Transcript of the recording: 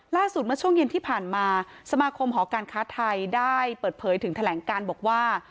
เมื่อช่วงเย็นที่ผ่านมาสมาคมหอการค้าไทยได้เปิดเผยถึงแถลงการบอกว่า